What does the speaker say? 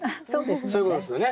そういうことですよね。